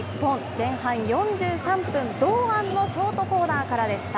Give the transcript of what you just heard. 前半４３分、堂安のショートコーナーからでした。